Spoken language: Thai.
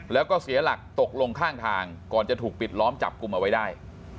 แล้วก็เสียหลักตกลงข้างทางก่อนจะถูกปิดล้อมจับกลุ่มเอาไว้ได้